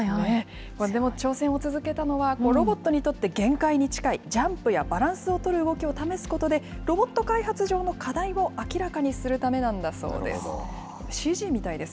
でも挑戦を続けたのは、ロボットにとって限界に近い、ジャンプやバランスを取る動きを試すことで、ロボット開発上の課題を明らかにするためなんだそうです。